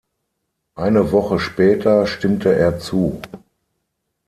Eine Woche später stimmte er zu.